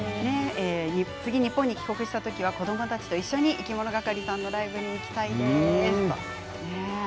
次に日本に帰国した時は子どもたちと一緒にいきものがかりさんのライブに行きたいです。